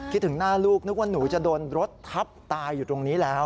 ถึงหน้าลูกนึกว่าหนูจะโดนรถทับตายอยู่ตรงนี้แล้ว